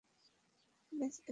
ব্যাস, এখানেই।